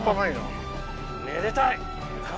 めでたい！